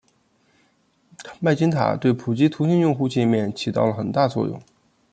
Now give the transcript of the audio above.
麦金塔对普及图形用户界面起到了很大作用。